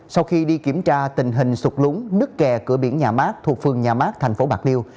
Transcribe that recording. sau khi đi kiểm tra tình hình sụt lúng nứt kè cửa biển nhà mát thuộc phường nhà mát thành phố bạc liêu